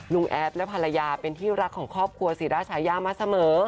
แอดและภรรยาเป็นที่รักของครอบครัวศรีราชายามาเสมอ